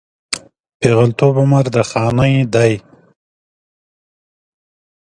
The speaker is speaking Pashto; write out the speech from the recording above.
پېغلتوب عمر د خانۍ دی